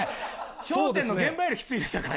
笑点の現場よりきついですよ、これ。